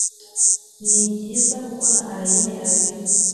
nibyiza kuko na allayne arabizi.